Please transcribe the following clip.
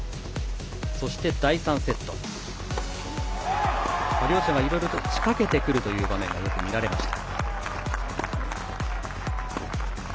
そして、第３セット。両者が仕掛けてくるという場面が多く見られました。